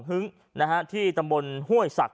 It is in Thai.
หึงที่ต่ำบนห้วยสัก